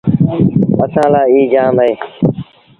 اسآݩٚ لآ ايٚ جآم اهي۔